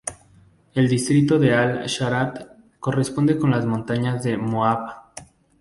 El distrito de Al-Sharat corresponde con las montañas de Moab.